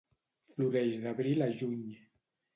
Floreix d'abril a juny.